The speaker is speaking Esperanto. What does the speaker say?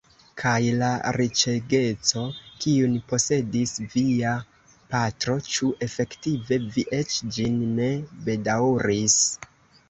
Kaj la riĉegeco, kiun posedis via patro, ĉu efektive vi eĉ ĝin ne bedaŭris?